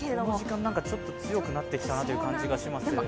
この時間、ちょっと強くなってきたなという感じがします。